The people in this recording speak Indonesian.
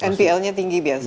npl nya tinggi biasanya